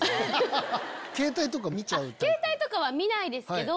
携帯とかは見ないですけど。